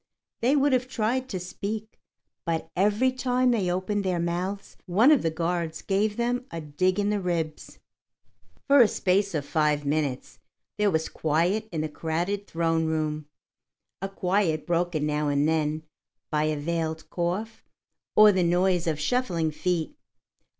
They would have tried to speak, but every time they opened their mouths, one of the guards gave them a dig in the ribs. For a space of five minutes there was quiet in the crowded throne room, a quiet broken now and then by a veiled cough or the noise of shuffling feet.